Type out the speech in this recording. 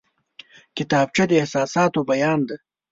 کتابچه د احساساتو بیان دی